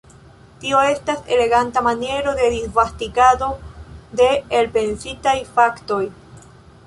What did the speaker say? Tio estas eleganta maniero de disvastigado de elpensitaj faktoj.